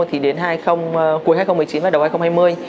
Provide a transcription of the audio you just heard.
thì đến cuối hai nghìn một mươi chín và đầu hai nghìn hai mươi